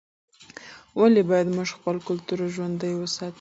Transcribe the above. ولې باید موږ خپل کلتور ژوندی وساتو؟